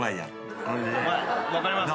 分かります。